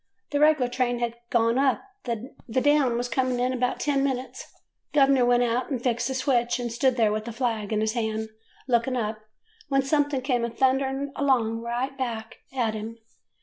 The reg'lar train had gone up, the down was coming in about ten minutes. Gov 'ner went out and fixed the switch, and stood there with the flag in his hand looking up, when something come a thundering along right back of him.